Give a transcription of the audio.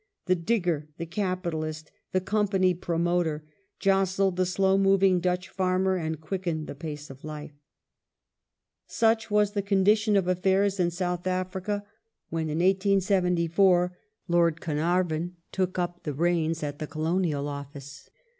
The digger, the capitalist, the company promoter jostled the slow moving Dutch farmer and quickened the pace of life." ^ Lord Such was the condition of afFaii*s in South Africa when, in f;^,"^^" 1874, Lord Carnarvon took up the reins at the Colonial Office.